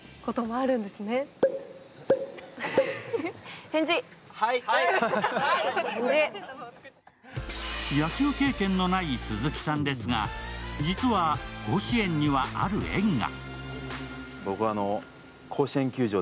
お二人、すごい！野球経験のない鈴木さんですが、実は、甲子園にはある縁が。